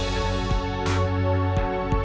setelah tanpa nbc